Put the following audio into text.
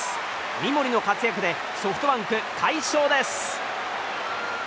三森の活躍でソフトバンク、快勝です。